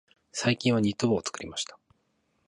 最近はニット帽を作りました。